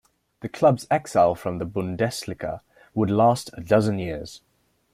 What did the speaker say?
The club's exile from the Bundesliga would last a dozen years.